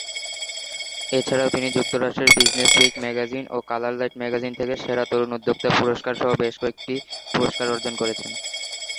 এছাড়াও তিনি যুক্তরাষ্ট্রের "বিজনেস উইক" ম্যাগাজিন ও কালার লাইট ম্যাগাজিন থেকে ‘সেরা তরুণ উদ্যোক্তা’ পুরস্কারসহ বেশ কয়েকটি পুরস্কার অর্জন করেছেন।